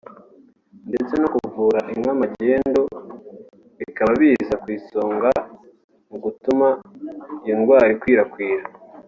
ndetse no kuvura inka magendu bikaba biza kw’isonga mu gutuma iyo ndwara inkwirakwira